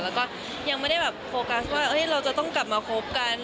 แล้วก็ยังไม่ได้แบบโฟกัสว่าเราจะต้องกลับมาคบกัน